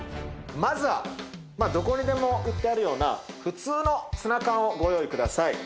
まずはどこにでも売ってあるような普通のツナ缶をご用意ください。